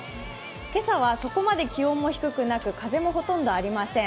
今朝はそこまで気温も低くなく風もほとんどありません。